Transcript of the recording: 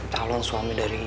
talon suami dari ibu saya